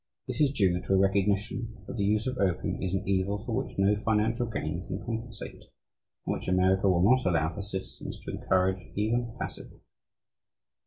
This ... is due to a recognition that the use of opium is an evil for which no financial gain can compensate, and which America will not allow her citizens to encourage even passively."